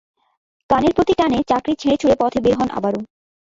গানের প্রতি টানে চাকরি ছেড়ে-ছুড়ে পথে বের হন আবারও।